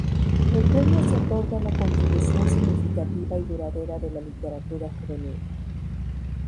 El premio se otorga a la contribución significativa y duradera de la literatura juvenil.